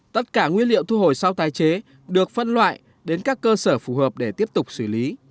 tất cả nguyên liệu thu hồi sau tái chế được phân loại đến các cơ sở phù hợp để tiếp tục xử lý